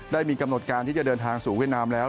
ได้มีกำหนดการที่จะเดินทางสู่เวียดนามแล้ว